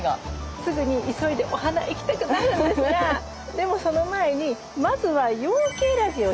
すぐに急いでお花行きたくなるんですがでもその前にまずは容器選びをしましょう。